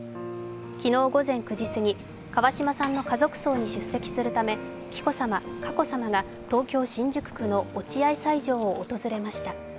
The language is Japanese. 昨日午前９時過ぎ、川嶋さんの家族葬に出席するため紀子さま、佳子さまが東京・新宿区の落合斎場を訪れました。